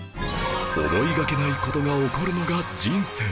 思いがけない事が起こるのが人生